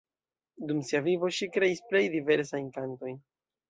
Dum sia vivo ŝi kreis plej diversajn kantojn.